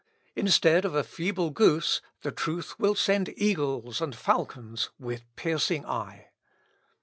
Instead of a feeble goose, the truth will send eagles and falcons, with piercing eye."